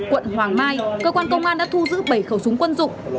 quận hoàng mai cơ quan công an đã thu giữ bảy khẩu súng quân dụng